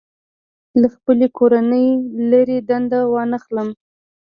له خپلې کورنۍ لرې دنده وانخلم.